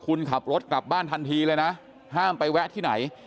คุณขับรถกลับบ้านทันทีเลยนะห้ามไปแวะที่ไหน